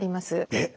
えっ！？